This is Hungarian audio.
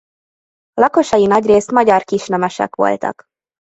Lakosai nagyrészt magyar kisnemesek voltak.